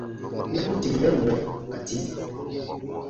Na ko tìm mɛ mwɛ ka tii.